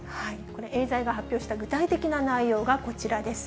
これ、エーザイが発表した具体的な内容がこちらです。